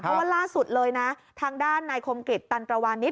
เพราะว่าล่าสุดเลยนะทางด้านนายคมกริจตันตรวานิส